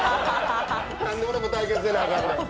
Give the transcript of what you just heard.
なんで俺も対決せなあかんねん。